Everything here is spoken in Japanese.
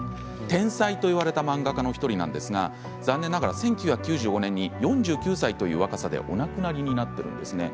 天才と言われた漫画家の１人なんですが、残念ながら１９９５年に４９歳という若さでお亡くなりになっています。